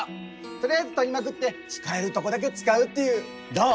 とりあえず撮りまくって使えるとこだけ使うっていうどう？